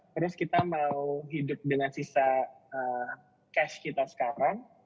terus kita mau hidup dengan sisa cash kita sekarang